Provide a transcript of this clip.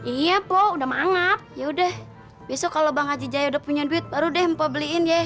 iya po udah mangap yaudah besok kalau bang haji jaya udah punya duit baru deh mpobeliin ya